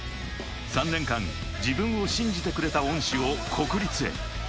３年間、自分を信じてくれた恩師を国立へ。